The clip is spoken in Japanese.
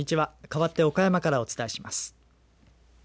かわって岡山からお伝えします。